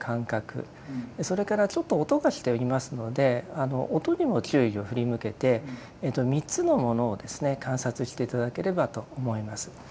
それからちょっと音がしておりますので音にも注意を振り向けて３つのものをですね観察して頂ければと思います。